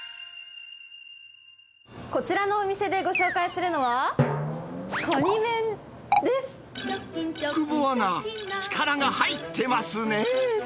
こちらのお店でご紹介するのは、久保アナ、力が入ってますね。